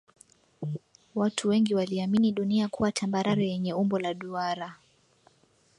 Watu wengi waliamini dunia kuwa tambarare yenye umbo la duara